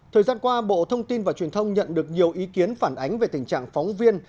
thời gian qua bộ thông tin và truyền thông nhận được nhiều ý kiến phản ánh về tình trạng phóng viên